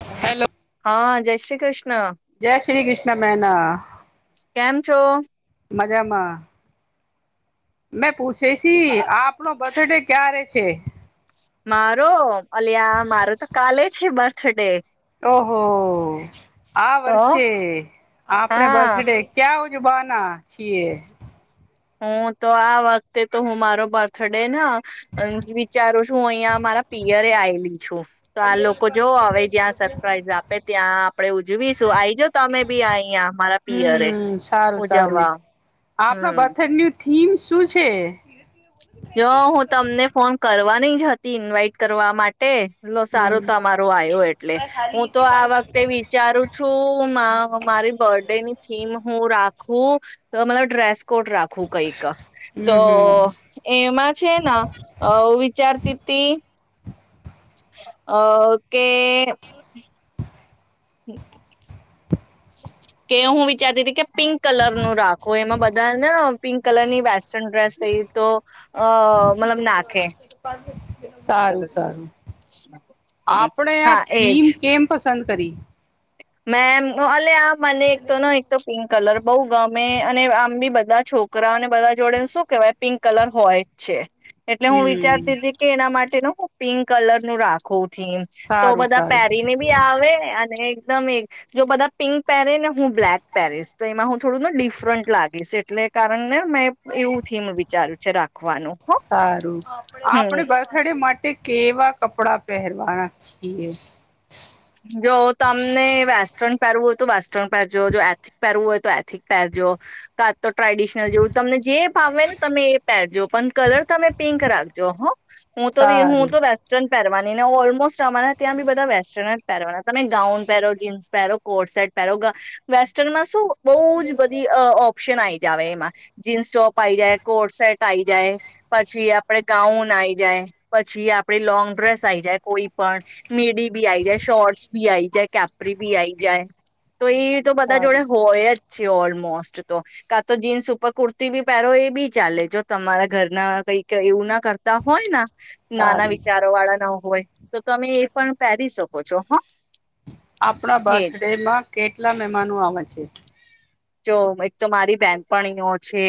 Hello હા જય શ્રી કૃષ્ણ શ્રી કૃષ્ણ બહેના કેમ છો મજામાં મેં પૂછેશી આપનો બર્થડે ક્યારે છે. મારો અલિયા મારો તો કાલે છે બર્થ ડે ઓહો આ તો વર્ષે આપણે હા બર્થડે ક્યાં જુબના છીએ. હું તો આ વખતે તો હું મારો બર્થડે ના વિચારું છું હું અહિયાં મારા પિયરે આલી છું. તો આ લોકો જોઓ હવે જ્યાં સરપ્રાઈઝ આપે ત્યાં આપડે ઉજવી સો આઈ જ તમે બી આયા મારા પિયરે હમ સારું સારું ઉજવવા આપણો હમ્મ. બર્થડે નું થીમ શું છે? જ હું તમને ફોન કરવાની જ હતી ઇન્વાઈટ કરવા માટે. હમ સારું તમારું આવ્યો એટલે હું તો આ વખતે વિચારું છું મારી બર્ડે ની થીમ હું રા હું મ ડ્રેસ કોટ રાખવું કઈક તો. હમ હમ એમાં છેના અ વિચારતી હતી. અ કે. હમ્મ. કે હું વિચારતી હતી કે પિંક કલર નું રાખો એમાં બધ તાને પિંક કલર ની વેસ્ટર્ન ડ્રેસ થઈ. તો. અ મતલબ નાખે. સારું સારું, આપણેે આ હા એજ થીમ કેમ પસંદ કરી? મેમ આલે મને એક તો ન એક તો પિં કલર બઉ ગમે અને આમ બી બધા છોકરાને બધા જોડેને શું કેવાય પિંક કલર હોઈટ છે. એટલે હું હમ વિચારતી હતી. એના માટે ન હું પિંક કલર નું રાખું. થી તો સારું બધા સારું પહેરીને બી આવે અને. એકદમ જો બધા પિંક પહેરી ને હું બ્લેક પહેરીશ તો એમાં હું થોડું ને ડિફરન્ટ લાગીશ, એટલે કારણ ને મેં એવું થીમ વિચાર્યું છે રાખ સારું. આપે બર્થડે માટે કેવા કપડા પહેરવાના છીએ. જો તમને વેસ્ટર્ન પહેરવું હ તો વેસ્ટર્ન પહેરજો જો એથિક પહેરવું હોય તો એથિક પહેરજો. તો ટ્રેડિશનલ જેવું તમને જે ભાવવે ને તમે એ પહેરજો પણ કલર તમે પિંક રાખજો હ હું તો હું સારું તો વેસ્ટર્ન. પહેરવાની ને ઓલમોસ્ટ અમારા ત્યાં બી બધા વેસ્ટર્ન. પહેરવાના તમે ગાઉન પહેરો જીન્સ પહેરો કોટ સર્ટ પહેરો વેસ્ટર્નમાં. બહુ જ બધી ઓપ્શન આવી જ આવે એમાં જીન્સ ટોપ આવી જાય કોટ સેટ આઈ જાય પછી આપડે ગાઉન આઈ જાય પછી આપડે લોંગ ડ્રેસ આઈ જાય કોઈ પણ મેડી બી આ શોર્ટસ આઈ જ કેપરી ભી આઈ જાય. તો ઈ તો બધા જોડે સારું હોય જ. [unintelligible] ઓલમોસ્ટ તો કા તો જીન્સ ઉપર કુર્તી બી પહેરો એ બી ચાલે જો તમારા ઘરના કઈક એવું ના કરતા હોય ન નાના સારું વિચારો વાળા ના હોય તો તમે એ પણ પહેરી શકો. ક છો હ. આપણા બર્થ ડે માં કેટલા મહેમાનો આવે છે. જો એક તો મારી બેનપણીઓ છે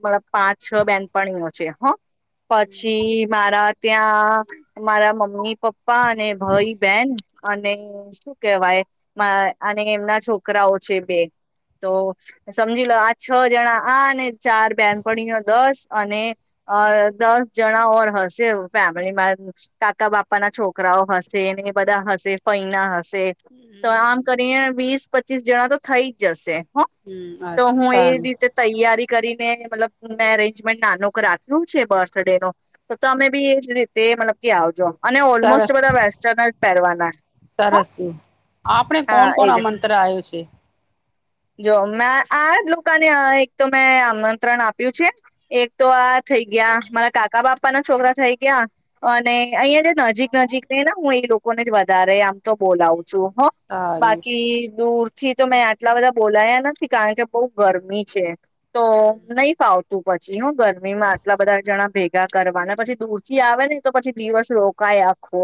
મતલબ પાંચ છ બેનપણીઓ છે હ. પછી મારા ત્યાં મારા મમ્મી પપ્પા પપ્પા અને ભાઈ બેહેન અને શું કેવાય અને એમના છોકરાઓ છે, બે તો સમજી લો આ છ જણા આ અને ચાર બેનપણીઓ દસ અને દસ જણા ઓર હશે ફેમિલીમાં કાકા બાપાના છોકરાઓ હશે ને એ બધા હશે ફૈના હશે તો આમ હમ કરી વીસ પચીસ જણા તો થઈ જ જશે. હ તો અચ્છા હું એ સારું રીતે તૈયારી કરીને મતલબ મેં અરેન્જમેન્ટ નાનોક રાખ્યું છે બર્થડે નો તો તમે બી એજ રીતે મતલબ કે આવજો. અને ઓલમોસ્ટ સરસ બધા વેસ્ટન જ પહેરવાના સરસ આપણે કોણ હા કોણ એજ. આમંત્ર આવ્યો છે જો મે આ લોકોને એક તો મેં આમંત્રણ આપ્યું છે, એક તો આ થઈ ગયા મારા કાકા બાપ્પા ના છોકરા થઈ ગયા અને અહિયાં જે નજીક નજીક ને હું એ લોકોને જ વધારે આમ તો બોલાવું છું. હ સારું બાકી દૂર થી તમે આટલા બધા બોલાયા નથી કારણ કે બહુ ગરમી છે. તો નહી ફાવ પછી હું ગરમીમાં આટલા બધા જણા ભેગા કરવાના પછી દૂર થી આવે ને તો પછી દિવસ રોકાાય આખો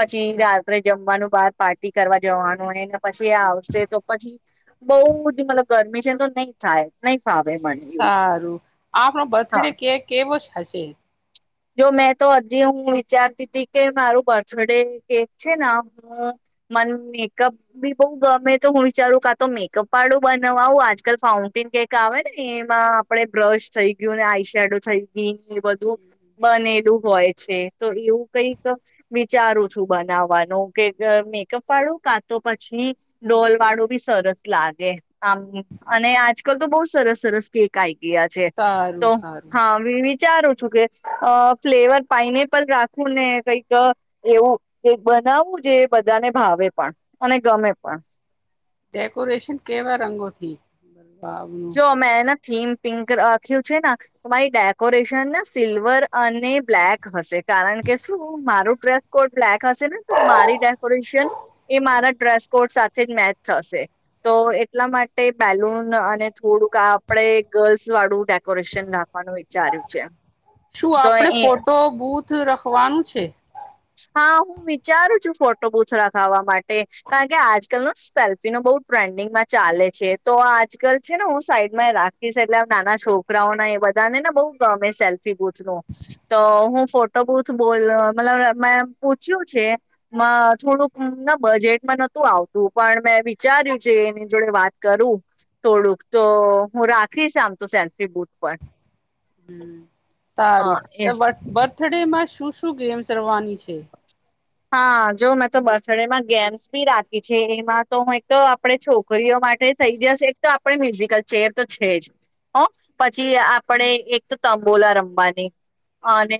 પછી રાત્રે જમવાનું બહાર પાર્ટી કરવા જવાનું હોય. પછી આ આવશે તો પછી બઉુધી મતલબ ગરમી છેને તો નહી થાય. નહી ફાવે મને એવું સારું આપનો હા બર્થડે કે કેવો છે. ખશે. જો મેં તો હજી હું વિચારતી હતી કે મારું બર્થડે કેક છે ને હું મને મેકઅપ બી બહુ ગમે તો હું વિચારું કા તો મેકઅપ વાળું બનાવાું આજકાલ ફાઉન્ટેન કેક આવે ને એમાં આપડે બ્રશ થઈ ગયું ને આઈ શેડો થઈ ગઈ ને એ બધું બનેલું હોય છે તો એવું કઈક વિચારું છું બનાવવાનું કે મેકઅપ વાળું કા તો પછી ડોલ વાળું બી સરસ લાગે આમ અને આજકાલ તો બહુ સરસ સરસ કેક આઈ ગિયા છે સારું તો સારું હા [unintelligible] ચારું છું. અ ફ્લેવર પાઈનેપલ રાખવું ને કંઈક એવું બનાવું જે બધાને ભાવે પણ અને ગમે પણ ડેકોરેશન કેવા રંગોથી નું જો છે મેં ના થીમ પિંક રાખ્યું છે, ને તો મારી ડેકોરેશન ના સિલ્વર અને બ્લેક હશે કારણ કે શું મારું ડ્રેસ કોડ બ્લેક હશે ને તો મારી ડેકોરેશન એ મારા ડ્રેસ કોડ સાથે જ મેચ થશે તો એટલા માટે બેલૂન અને થોડુંક આપણે ગર્લ્સ વાળું ડેકોરેશન નાખવાનું વિચાર્યું છે, શું તો આપણે એ ફોટો બૂથ રખવાનું છે. હા હું વિચારું છું ફોટો બુથ રાખાવા માટે કારણ કે આજકાલ ન સેલ્ફી ન બહ ટ્રેન્ડિંગમાં ચાલે છે, તો આજકાલ છે, ને હું સાઈડમાં રાખીશ એટલે નાના છોકરાઓના એ બધાને ને બહુ ગમે સેલ્ફી બુથ નું તો હું ફોટો બુથ બોલ મતલબ મેં પૂછ્યું છે, થોડુંક બજેટમાં નતું આવતું પણ મેં વિચાર્યું છે, એની જોડે વાત કરું થોડુંક તો હું રાખીશ આમ તો સેન્સિવ બુથ પર સારું હ એ બથળેમાં શું શું ગેમ્સ રવાની છે. હા જો મેં તો બસડેમાં ગેમ્સ ભી રાખી છે એમાં તો હું એક તો આપણે છોકરીઓ માટે થઇ જશ એક તો આપણે મ્યુઝિકલ ચેર તો છે, જ પછી આપણે એક તો તંબોલા રમવાની અને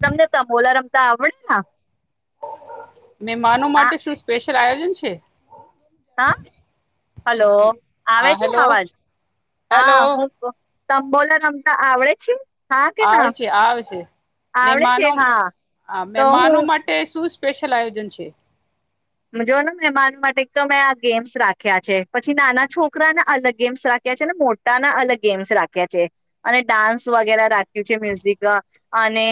તમને તંબોલા રમતા આવડે ને મહેમાનો હા માટે શું સ્પેશ આયોજન છે. હા હલો આવે હા છે, હેલો અવાજ હા હેલો હું તંબોલ રમતા આવડે છે. હા કે ના આવશે આવશે આવડે મેમાનો છે હા અ તો મહેમાનો હું માટે શું સ્પેશલ આયોજન છે. જોઓ ને મહેમાન માટે તો મેં આ ગેમ્સ રાખ્યા છે પછી નાના છોકરા ના અલગ ગેમ્સ રાખ્યા છે ને મોટા ના અલગ ગેમ્સ રાખ્યા છે અને ડાન્સ વગેરા રાખ્યું છે મ્યુઝિક અને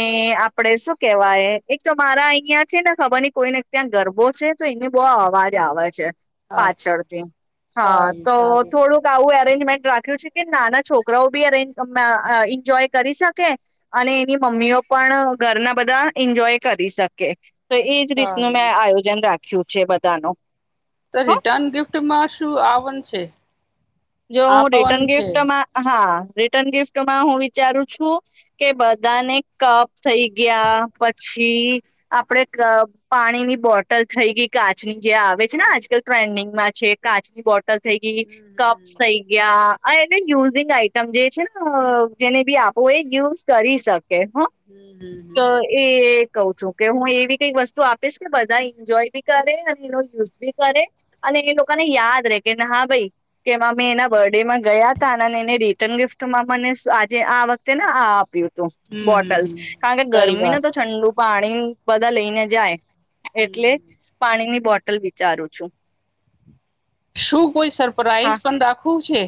આપડે શું કેવાય એક તો મારા અહિયાં છે ને ખબર નઈ કોઈને ત્યાં ગરબો છે. તો એને બહુ અવાજ આવે છે. અચ્છા પાછળ થી હા સારું તો સારું થોડુંક આવું એરેન્જમેન્ટ રાખ્યું છે. કે નાના છોકરાઓ બી અરે મઆ આ ઈન્જોય કરી શકે, અને એની મમ્મીઓ પણ ઘરના બધા એન્જોય કરી શકે. તો એ જ રીતનું સારું મેં આયોજન રાખ ખ્યું છે બધા નો તો રિટર્ન ગિફ્ટમાં શું આવન છે. જો હું આપવન રિટર્ન છે ગિફ્ટમાં હા રિટર્ન ગિફ્ટમાં હું વિચારું છું કે બધાને કપ થઈ ગયા પછી આપડે ક પાણીની બોટલ થઈ ગઈ કાચની જે આવે છે ને આજકાલ ટ્રેન્ડિંગમાં છે કાચની બોટ લ થઈ ગઈ. હમ થઇ ગયા. આ એને યુઝિંગ આઈટમ જે છે ને જેને બી આપો એ યુઝ કરી શક કે હો હમ હમ હમ તો એ કવ છું. કે હું એવી કઈક વસ્તુ આપીશ ને બધા ઈન્જોય બી કરે અને એનો યુઝ બી કરે અને એ લોકાને યાદ રે કે ના હા ભાઈ કે એમાં મેં એના બરડે માં ગયાતા અને એને રિટર્ન ગિફ્ટ મા મને આજે આ વખતે ને આ આપ્યું હતું. હમ તું હમ બોટલ્સ હમ કારણ કે સહી ગરમીને વાત તો ઠંડુ પાણી બધા લઈને જાય. એટલે હમ પાણીની બોટલ ટલ વિચારું છું. શું? કોઈ હા સરપ્રાઈઝ પણ રાખવું છે.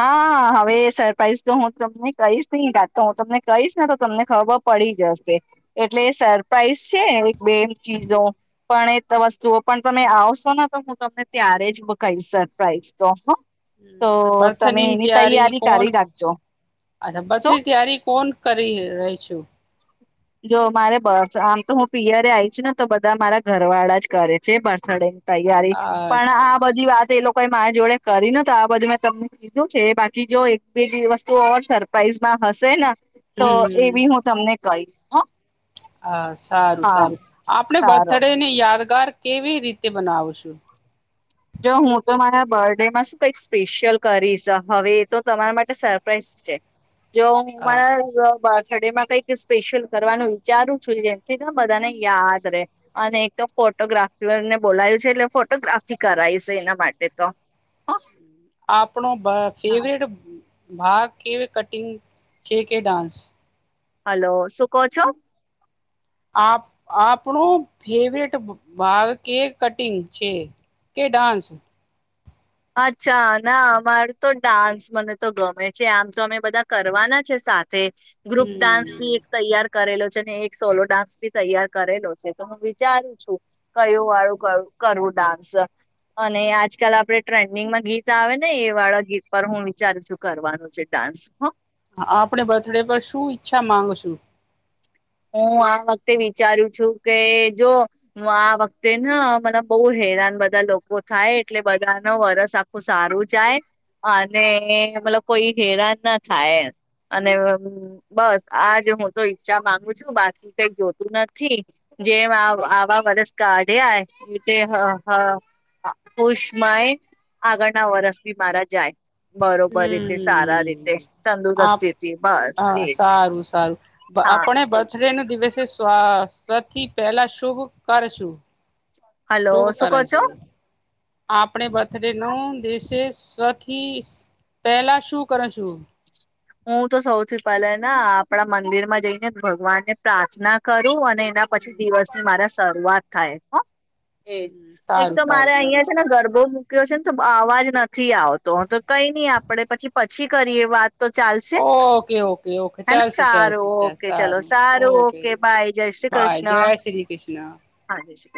હા હવે સરપ્રાઈઝ તો હું તમને કહીશ નહી તો હું તમને કહીશ ને તો તમને ખબર પડી જશે એટલે સરપ્રાઈઝ છે બે ચીજો પણ એ વસ્તુઓ પણ તમે આવશો ને તો હું તમને ત્યારે જ કહીશ સરપ્રાાઈઝ તો હો હમ બ થની તૈયારી કોણ કરી રાખજો અચ્છા શું બથનીની તૈયારી કોણ કરી રહી છું. જો મારે બર્થ આમ તો હું પિયરે આઈ છુ ને તો બધા મારા ઘર વાળા જ કરે છે બર્થડે તૈયારી પણ આ અચ્છા બધી વાત એ લોકો કોએ મારા જોડે કરી નથ આ બધું મેં તમને કીધું છે બાકી જો એક બીજી વસ્તુ ઓ સરપ્રાઈઝમાં હશે ને તો એ હમ બી હું તમને કહીશ. હ હા સારું હા સારું આપડે સારું બર્થડે ને યાદગાર કેવી રીતે બનાવ છું. જો હું તો મારા બરડે માં શું કઈક સ્પેશિયલ કરીશ હવે એ તો તમારા માટે સરપ્રાાઈઝ છે. જો હુ હા મારા [unintelligible] બાર્થ ડેમાં કઈક સ્પેશિયલ કરવાનું વિચારું છું જેમથી ને બધાને યાદ રે અને એક તો ફોટોગ્રાફર ને બોલાયું છે એટલે ફોટોગ્રાફી કરાયસ એના માટે તો હો આપણો બ ફેવરેટ ભાગ કેવી કટિંગ છે કે ડાન્સ હલો શું કો છો? આપ આપણો ફેવરેટ ભાગ કેક કટિંગ છે કે ડાન્સ અચ્છા ના અમાર તો ડાન્સ મને તો ગમે છે આમ તો અમે બધા કરવાના છે સાર થે ગ્રુપ ડાસ ભી હમ એક તૈયાર કરેલો છે ને એક સોલો ડાન્સ બી તૈયાર કરેલો છે તો હું વિચારું છું કયોું વાળું કરવું ડાન્સ અને આજકાલ આપડે ટ્રેન્ડિંગમાં ગીત આવે ને એ વાળા ગીત પર હું વિચારું છું કરવાનું છે ડાન્સ હ હ આપણે બર્થડે પર શું ઈચ્છા માંગુ સુ હું આ વખતે વિચારું છું કે જો હું આ વખતે ન મને બહુ હેરાન બધા લોકો થાય એટલે બધા ન વરસ આખું સારું જાય અને મતલબ કોઈ હેરાન ના થાય એમ અને બસ આજ હું તો ઈચ્છા માંગુ છું બાકી કઈ જોતું નથી જેમ આવ આવા વરસ કાઢ્યા ઐતે હ હ પુષમાય આગળના વરસ બી મારા જાય બરોબર રીતે સારા રીતે હમ આપ તંદુરસ્તી તી બસ હા એજ હા ર્થ ડે ના દિવ સ્વાસ્થી પહેલા શુભ કરશું હલો શુભ શું કરે કહો છો શુ આપણે બર્થડે નું દિવસે સ્વંથી પેલા શું કરે છું. હું તો સૌથી પહેલા ના આપણા મંદિર માં જઈને ભગવાનને પ્રાર્થના કરું અને એના પછી દિવસ ની મારા શરૂઆત હમ થાય હ એજ એક સારું તો સારું મારે સારું અહિયાં છે ને ગરબો [unintelligible] છે ને તો અવાજ નથી આવતો તો કઈ નહી આપડે પછી પછી કરીએ વાત તો ચાલશે ઓકે ઓકે ઓકે હેને ચાલશે ચાલશે સારું ચાલ ઓકે ચલો સારું ઓકે બાય જય શ્રી બાય કૃષ્ણ જય શ્રી કૃષ્ણ હા જય શ